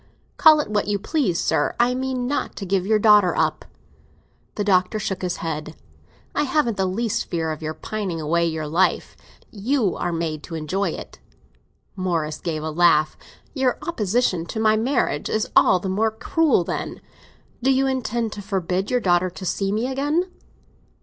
"Call it what you please, sir! I mean not to give your daughter up." The Doctor shook his head. "I haven't the least fear of your pining away your life. You are made to enjoy it." Morris gave a laugh. "Your opposition to my marriage is all the more cruel, then! Do you intend to forbid your daughter to see me again?"